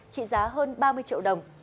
trị giá hơn ba mươi triệu đồng